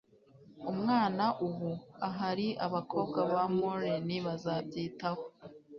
umwana ubu? ahari abakobwa ba maureen bazabyitaho